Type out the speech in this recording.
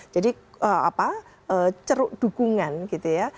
jadi ceruk dukungan gitu ya